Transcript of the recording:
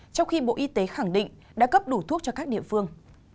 trong khi bộ y tế khẳng định đã cấp đủ thuốc cho các địa phương